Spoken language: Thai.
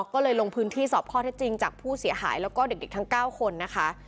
ก็เลยลงพื้นที่สอบข้อเท็จจริงจากผู้เสียหายแล้วก็เด็กทั้ง๙คนนะคะ